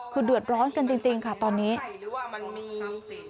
คือเดือดร้อนกันจริงค่ะตอนนี้มันมี